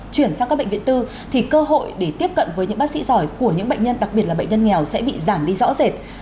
chuyển sang các bệnh viện tư thì cơ hội để tiếp cận với những bác sĩ giỏi của những bệnh nhân đặc biệt là bệnh nhân nghèo sẽ bị giảm đi rõ rệt